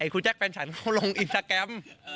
ครูแจ๊คแฟนฉันเขาลงอินสตาแกรม